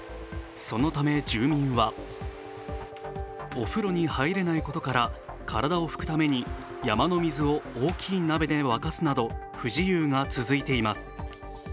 そのため住民はお風呂に入れないことから、体を拭くために山の水を大きい鍋で沸かすなど不自由な生活が続いています。